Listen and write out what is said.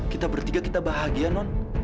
kita bertiga kita bahagia non